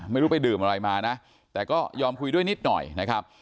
ไม่รู้ไปดื่มอะไรมานะแต่ก็ยอมคุยด้วยนิดหน่อยนะครับ